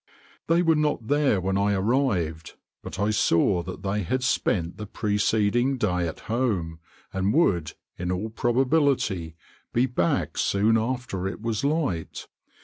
They were not there when I arrived, but I saw that they had spent the preceding day at home, and would, in all probability, be back soon after it was light.